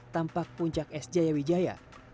tampak puncak es jaya wijaya